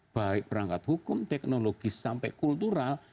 baik perangkat hukum teknologi sampai kultural